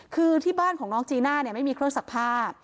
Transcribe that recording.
คือที่บ้านของน้องจีน่าไม่มีเครื่องศักดิ์ผ้า